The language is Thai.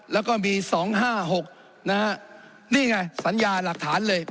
แล้วก็มี๒๕๖นะฮะนี่ไงสัญญาหลักฐานเลย